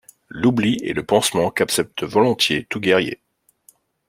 L’oubli est le pansement qu’accepte volontiers tout guerrier.